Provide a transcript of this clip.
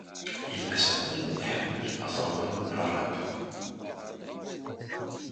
Yella Sami iḥemmel aẓawan n Rap.